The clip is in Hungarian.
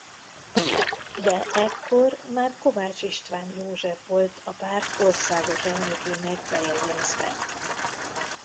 De ekkor már Kovács István József volt a párt országos elnökének bejegyezve.